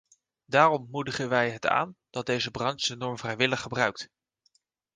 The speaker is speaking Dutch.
Daarom moedigen wij het aan dat de branche deze norm vrijwillig gebruikt.